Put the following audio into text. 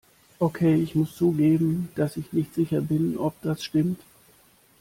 Okay, ich muss zugeben, dass ich nicht sicher bin, ob das stimmt.